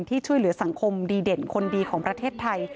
ช่วยเหลือสังคมดีเด่นคนดีของประเทศไทย